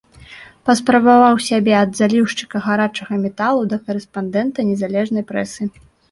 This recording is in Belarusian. Паспрабаваў сябе ад заліўшчыка гарачага металу да карэспандэнта незалежнай прэсы.